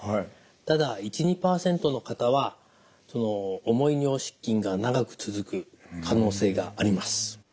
ただ１２％の方は重い尿失禁が長く続く可能性があります。